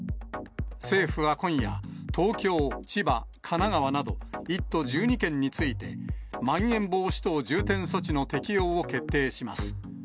政府は今夜、東京、千葉、神奈川など、１都１２県について、まん延防止等重点措置の適用を決定します。